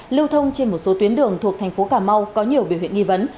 lưu thông trên một số tuyến đường thuộc thành phố cà mau có nhiều biểu hiện nghi vấn